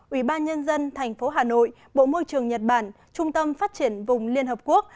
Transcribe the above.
ủy ban nhân dân thành phố hà nội bộ môi trường nhật bản trung tâm phát triển vùng liên hợp quốc